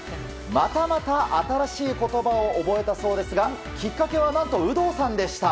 またまた新しい言葉を覚えたそうですがきっかけは何と有働さんでした。